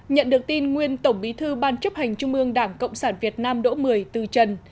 nhận được tin nguyên tổng bí thư ban chấp hành trung ương đảng cộng sản việt nam đỗ mười từ trần